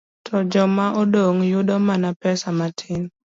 to joma odong ' yudo mana pesa matin.